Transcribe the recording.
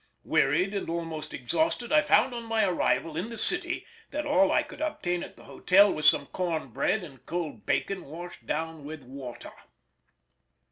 Wearied and almost exhausted I found on my arrival in the city that all I could obtain at the hotel was some corn bread and cold bacon washed down with water.